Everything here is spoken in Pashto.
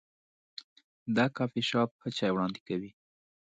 دا کافي شاپ ښه چای وړاندې کوي.